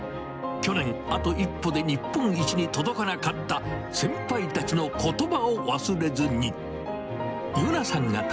去年、あと一歩で日本一に届かなかった先輩たちのことばを忘れずに。